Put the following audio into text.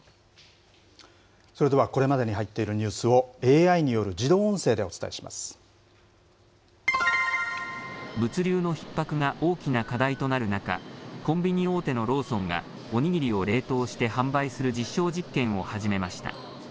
それでは、これまでに入っているニュースを、ＡＩによる自動物流のひっ迫が大きな課題となる中、コンビニ大手のローソンがお握りを冷凍して販売する実証実験を始めました。